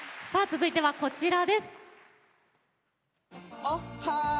続いては、こちらです。